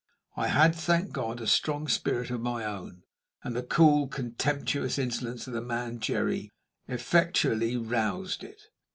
I had, thank God, a strong spirit of my own, and the cool, contemptuous insolence of the man Jerry effectually roused it.